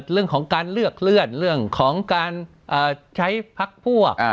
เรื่องของการเลือกเลื่อนเรื่องของการใช้พักพวก